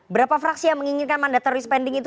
berapa fraksi yang menginginkan mandatory spending itu